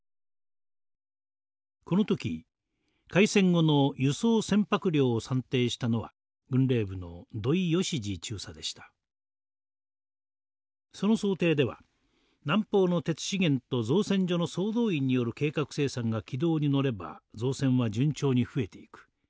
この時開戦後の輸送船舶量を算定したのはその想定では南方の鉄資源と造船所の総動員による計画生産が軌道に乗れば造船は順調に増えていく。